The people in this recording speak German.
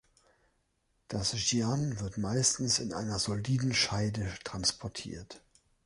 Das Jian wird meistens in einer soliden Scheide transportiert.